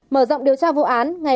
mở rộng điều tra vụ án